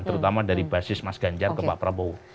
terutama dari basis mas ganjar ke pak prabowo